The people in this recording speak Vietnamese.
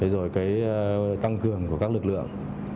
rồi tăng cường của các lực lượng